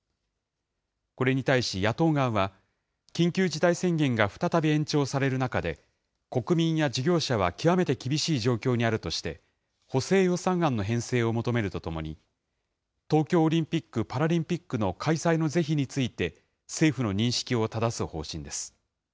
これに対し野党側は、緊急事態宣言が再び延長される中で、国民や事業者は極めて厳しい状況にあるとして、補正予算案の編成を求めるとともに、東京オリンピック・パラリンピックの開催の是非について、政府の認識をただす方針です。